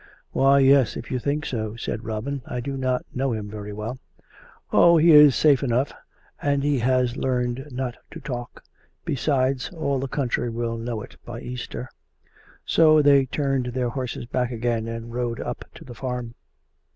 " Why, yes, if you think so," said Robin. " I do not know him very well." " Oh ! he is safe enough, and he has learned not to talk. Besides^ all the country will know it by Easter." COME RACK! COME ROPE! 29 So they turned their horses back again and rode up to the farm.